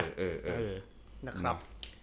เออเออเออเออนะครับ